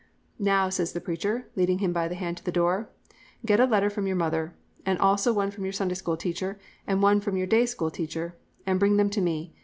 "'Now,' says the preacher, leading him by the hand to the door, 'get a letter from your mother, and also one from your Sunday School teacher, and one from your Day School teacher, and bring them to me.